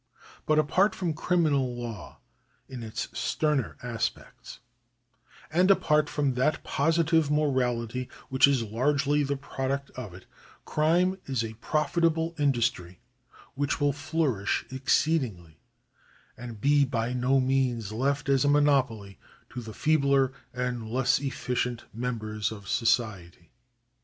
But apart from criminal law in its sterner aspects, and apart from that positive morality which is largely the product of it, crime is a profitable industry, which will flomish exceedingly, and be by no means left as a monopoly to the feebler and less efficient members of society.